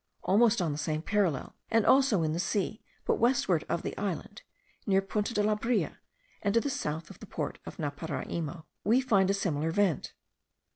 Almost on the same parallel, and also in the sea, but westward of the island (near Punta de la Brea, and to the south of the port of Naparaimo), we find a similar vent.